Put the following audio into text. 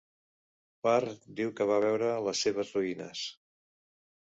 Var diu que va veure les seves ruïnes.